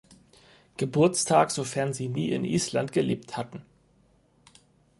Geburtstag sofern sie nie in Island gelebt hatten.